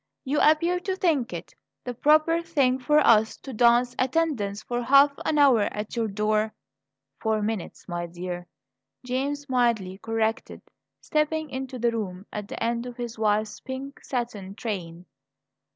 "You appear to think it the proper thing for us to dance attendance for half an hour at your door " "Four minutes, my dear," James mildly corrected, stepping into the room at the end of his wife's pink satin train.